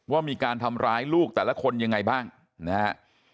ว่ามีการทำร้ายลูกแต่ละคนยังไงบ้างนะฮะ